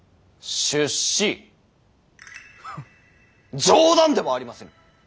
ハッ冗談ではありませぬ。